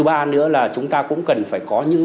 ba nữa là chúng ta cũng cần phải có những